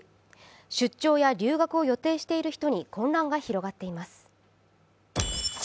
出張や留学を予定している人に混乱が広がっています。